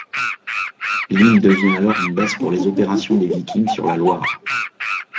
L'île devient alors une base pour les opérations des Vikings sur la Loire.